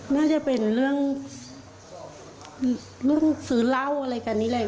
น่าจะเป็นเรื่องซื้อเหล้าอะไรกันนี่แหละ